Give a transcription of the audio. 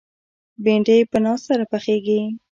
بېنډۍ په ناز سره پخېږي